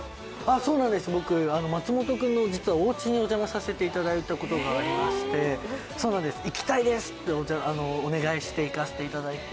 そうなんです、松本君のおうちにお邪魔させていただいたことがありまして行きたいですってお願いして行かせていただいて。